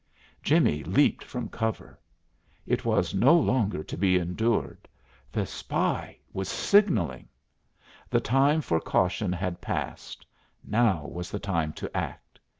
Jimmie leaped from cover. It was no longer to be endured. The spy was signalling. The time for caution had passed, now was the time to act.